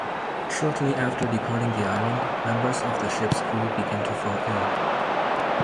Shortly after departing the island, members of the ship's crew begin to fall ill.